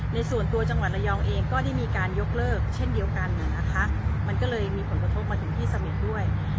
ในส่วนตัวจังหวัดระยองเองก็ได้มีการยกเลิกเช่นเดียวกันนะคะมันก็เลยมีผลกระทบมาถึงที่เสม็ดด้วย